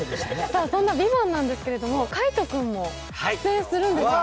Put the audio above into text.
そんな「ＶＩＶＡＮＴ」なんですけど海音君も出演するんですよね。